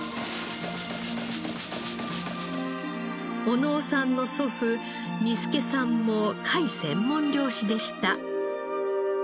小野尾さんの祖父仁助さんも貝専門漁師でした。